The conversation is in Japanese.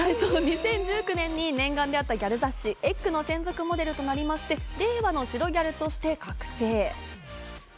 ２０１９年に念願だったギャル雑誌『ｅｇｇ』の専属モデルとなりまして令和の白ギャルとして覚醒。